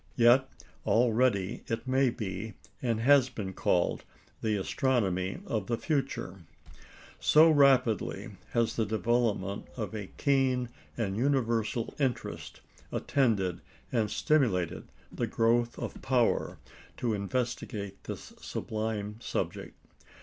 Yet already it may be, and has been called, "the astronomy of the future," so rapidly has the development of a keen and universal interest attended and stimulated the growth of power to investigate this sublime subject.